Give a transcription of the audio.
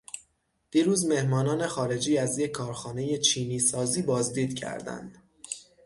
دیروز مهمانان خارجی از یک کارخانهٔ چینی سازی بازدید کردند.